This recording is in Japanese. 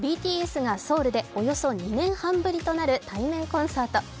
ＢＴＳがソウルでおよそ２年半ぶりとなる対面コンサート。